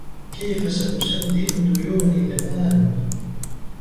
كيفَ سأسدد ديونى الآن ؟